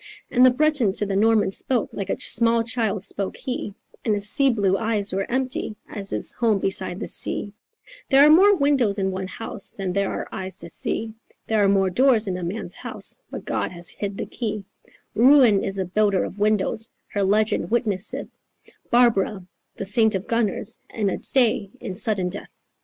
And the Breton to the Norman spoke, like a small child spoke he, And his sea blue eyes were empty as his home beside the sea: "There are more windows in one house than there are eyes to see, There are more doors in a man's house, but God has hid the key: Ruin is a builder of windows; her legend witnesseth Barbara, the saint of gunners, and a stay in sudden death."